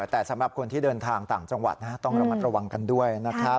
แต่สำหรับคนที่เดินทางต่างจังหวัดต้องระมัดระวังกันด้วยนะครับ